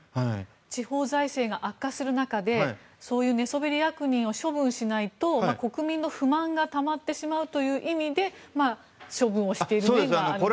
地方財政が悪化する中でそういう寝そべり役人を処分しないと国民の不満がたまってしまうという意味で処分をしている面があるんでしょうか。